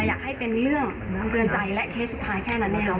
อยากให้เป็นเรื่องเตือนใจและเคสสุดท้ายแค่นั้นนะครับ